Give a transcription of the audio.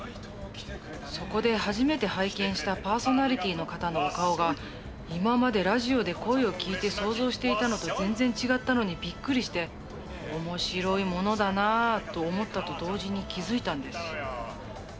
そこで初めて拝見したパーソナリティーの方のお顔が今までラジオで声を聴いて想像していたのと全然違ったのにビックリして面白いものだなと思ったと同時に気付いたんです。